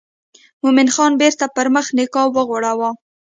مومن خان بیرته پر مخ نقاب وغوړاوه.